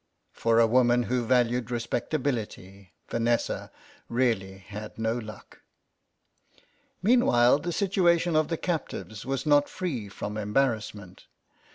For a woman who valued respectability Vanessa really had no luck. Meanwhile the situation of the captives was not free from embarrassment.